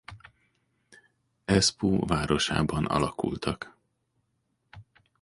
Espoo városában alakultak.